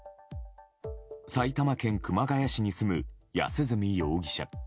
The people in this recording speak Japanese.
埼玉県熊谷市に住む安栖容疑者。